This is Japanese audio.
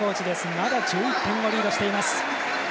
まだ１１点をリードしています。